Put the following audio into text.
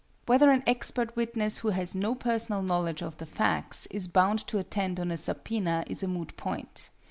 Whether an expert witness who has no personal knowledge of the facts is bound to attend on a subpoena is a moot point.